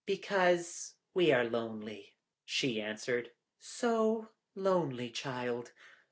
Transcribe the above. "Because we are lonely," she answered; "so lonely, child.